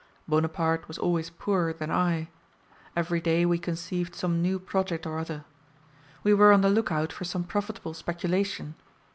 Bonaparte was always poorer than I. Every day we conceived some new project or other. We were on the look out for some profitable speculation.